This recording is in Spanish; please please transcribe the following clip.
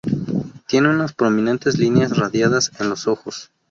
Tiene unas prominentes líneas radiadas en los ojos.